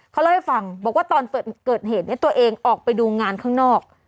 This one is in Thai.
เขาเล่าให้ฟังบอกว่าตอนเกิดเหตุเนี่ยตัวเองออกไปดูงานข้างนอก